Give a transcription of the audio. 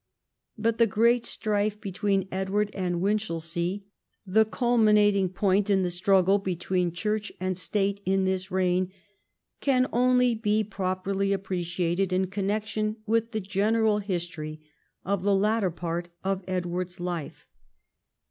But the great strife between Edward and Winchelsea, the culminating point in the struggle between Church and State in this reign, can only be properly appreciated in connection with the general history of the latter part of Edward's life.